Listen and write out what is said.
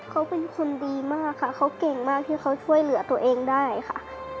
เขาเป็นคนดีมากค่ะเขาเก่งมากที่เขาช่วยเหลือตัวเองได้ค่ะ